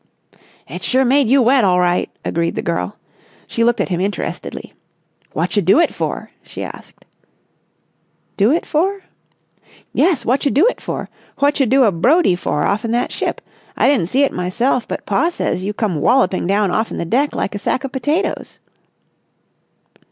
"It's sure made you wet all right," agreed the girl. She looked at him interestedly. "Wotcha do it for?" she asked. "Do it for?" "Yes, wotcha do it for? Wotcha do a Brodie for off'n that ship? I didn't see it myself, but pa says you come walloping down off'n the deck like a sack of potatoes."